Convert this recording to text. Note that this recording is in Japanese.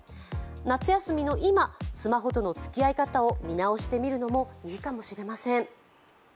夏休みの今、スマホとの付き合い方を見直してみるのもいいかもしれません。